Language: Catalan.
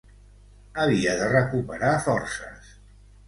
Havia de recuperar forces.